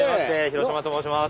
廣島と申します。